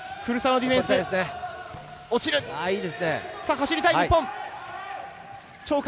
走りたい日本。